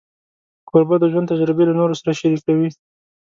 کوربه د ژوند تجربې له نورو سره شریکوي.